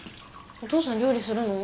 お父さん料理するの？